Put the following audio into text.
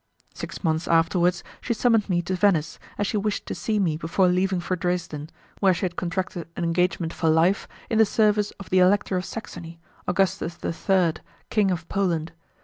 Six months afterwards she summoned me to Venice, as she wished to see me before leaving for Dresden, where she had contracted an engagement for life in the service of the Elector of Saxony, Augustus III., King of Poland.